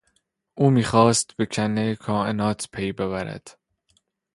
او میخواست به کنه کائنات پی ببرد.